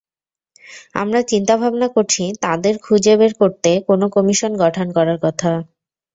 আমরা চিন্তাভাবনা করছি তাঁদের খুঁজে বের করতে কোনো কমিশন গঠন করার কথা।